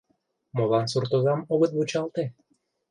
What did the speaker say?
Молан суртозам огыт вучалте?»